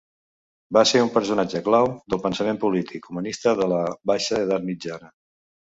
Va ser un personatge clau del pensament polític humanista de la baixa edat mitjana.